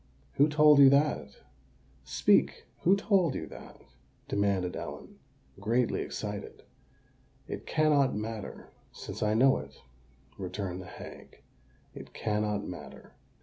"Who told you that? Speak—who told you that?" demanded Ellen, greatly excited. "It cannot matter—since I know it," returned the hag: "it cannot matter."